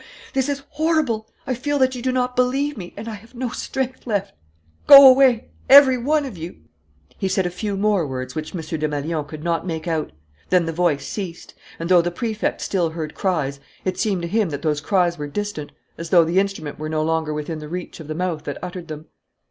This is horrible; I feel that you do not believe me and I have no strength left. Go away, every one of you!" He said a few more words which M. Desmalions could not make out. Then the voice ceased; and, though the Prefect still heard cries, it seemed to him that those cries were distant, as though the instrument were no longer within the reach of the mouth that uttered them.